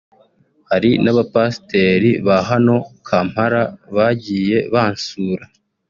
hari n'abapasiteri ba hano muri Kampala bagiye bansura